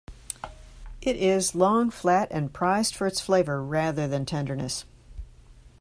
It is long, flat, and prized for its flavor rather than tenderness.